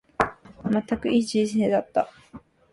まったく、いい人生だった。